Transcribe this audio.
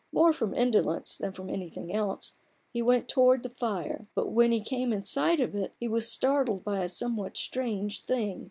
More from indolence than from anything else he went towards the fire ; but when he came in sight of it, he was startled by a somewhat strange thing.